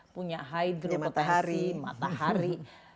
punya hidropotensi punya matahari